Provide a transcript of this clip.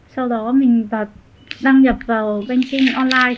sau đó mình đăng nhập vào bên kênh online